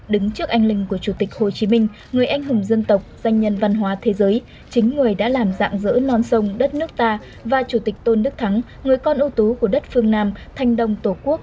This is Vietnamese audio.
đứng trước anh linh của chủ tịch hồ chí minh người anh hùng dân tộc danh nhân văn hóa thế giới chính người đã làm dạng dỡ non sông đất nước ta và chủ tịch tôn đức thắng người con ưu tú của đất phương nam thanh đồng tổ quốc